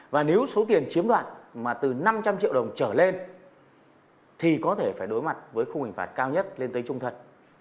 và nếu số tiền chiếm đoạt mà từ năm trăm linh triệu đồng trở lên thì có thể phải đối mặt với khung hình phạt cao nhất lên tới trung thật